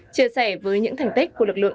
chia sẻ với những thành tích của lực lượng